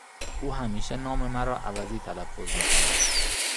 او همیشه نام مرا عوضی تلفظ میکند.